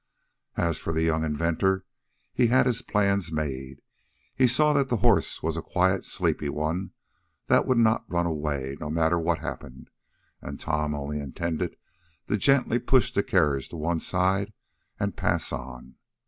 As for the young inventor he had his plans made. He saw that the horse was a quiet, sleepy one, that would not run away, no matter what happened, and Tom only intended to gently push the carriage to one side, and pass on.